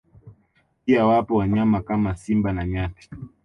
Pia wapo wanyama kama Simba na nyati